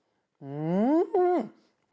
うん！